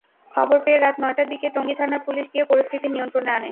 খবর পেয়ে রাত নয়টার দিকে টঙ্গী থানার পুলিশ গিয়ে পরিস্থিতি নিয়ন্ত্রণে আনে।